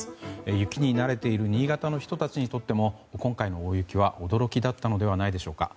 雪に慣れている新潟の人たちにとっても今回の大雪は驚きだったのではないでしょうか。